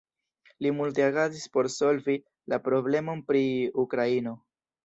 Li multe agadis por solvi la problemon pri Ukraino.